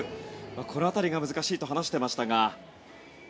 この辺りが難しいと話していましたが。